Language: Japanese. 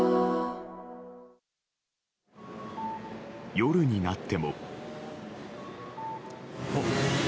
夜になっても。